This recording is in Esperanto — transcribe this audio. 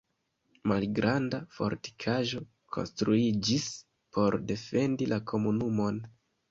Malgranda fortikaĵo konstruiĝis por defendi la komunumon.